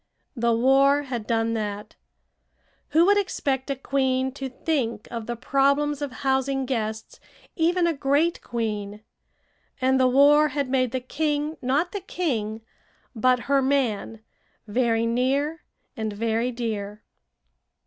The war had done that. Who would expect a queen to think of the problems of housing guests, even a great queen? And the war had made the king not the king, but her man, very near and very dear.